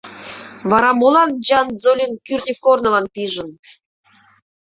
Вара молан Чжан Цзолин кӱртньӧ корнылан пижын?